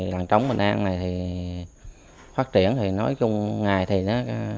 làng trống bình an này thì phát triển thì nói chung ngày thì